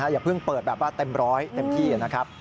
อย่าเพิ่งเปิดแบบว่าเต็มร้อยเต็มที่นะครับ